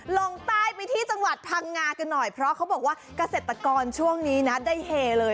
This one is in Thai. ลงใต้ไปที่จังหวัดพังงากันหน่อยเพราะเขาบอกว่าเกษตรกรช่วงนี้นะได้เฮเลย